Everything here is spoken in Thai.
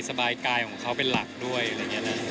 สบายกายของเขาเป็นหลักด้วยอะไรอย่างนี้นะ